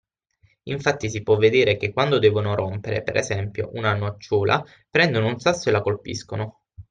Infatti si può vedere che quando devono rompere, per esempio, una nocciola prendono un sasso e la colpiscono.